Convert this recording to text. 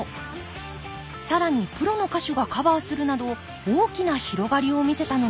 更にプロの歌手がカバーするなど大きな広がりを見せたのです